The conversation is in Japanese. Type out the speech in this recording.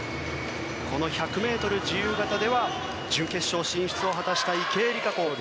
この１００ｍ自由形では準決勝進出を果たした池江璃花子。